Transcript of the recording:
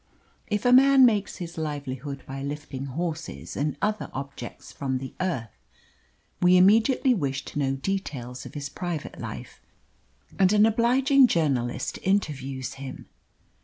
If a man makes his livelihood by lifting horses and other heavy objects from the earth, we immediately wish to know details of his private life, and an obliging journalist interviews him.